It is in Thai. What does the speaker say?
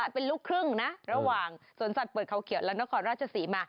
เป็นลูกครึ่งนะระหว่างสวนสัตว์เปิดเขาเขียวและนครราชศรีมา